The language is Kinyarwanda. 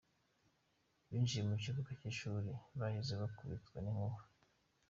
Binjiye mu kibuga cy’ishuri bahise bakubitwa n’inkuba.